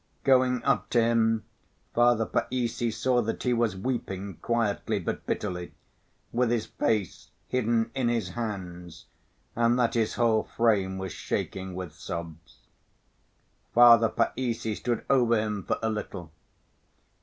Going up to him, Father Païssy saw that he was weeping quietly but bitterly, with his face hidden in his hands, and that his whole frame was shaking with sobs. Father Païssy stood over him for a little.